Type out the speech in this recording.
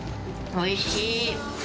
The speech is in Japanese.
おいしい。